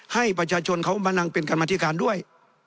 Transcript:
ให้ประชาชนเขามานั่งเป็นกรรมธิการด้วย